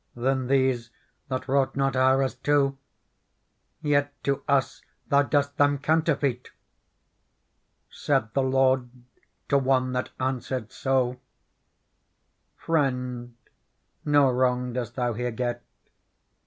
Than these that wrought not houres two ; Yet to us thou dost them counterfeit !' Said the lord to one that answered so :' Friend, no wrong dost thou here get.